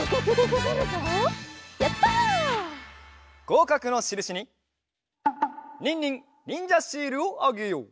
ごうかくのしるしにニンニンにんじゃシールをあげよう。